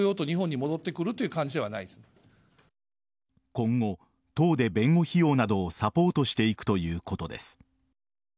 今後、党で弁護費用などをサポートしていくということです。